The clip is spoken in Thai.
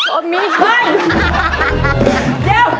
โอ้มีเฮียว